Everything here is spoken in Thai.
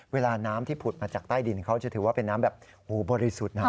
เวลาน้ำที่ผุดมาจากใต้ดินเขาจะถือว่าเป็นน้ำแบบหูบริสุทธิ์นะ